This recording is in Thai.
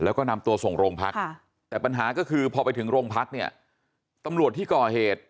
แล้วก็นำตัวส่งโรงพักแต่ปัญหาก็คือพอไปถึงโรงพักเนี่ยตำรวจที่ก่อเหตุ